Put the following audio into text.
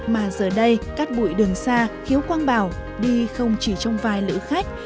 mà giờ đây cắt bụi đường xa khiếu quang bảo đi không chỉ trong vài lữ khách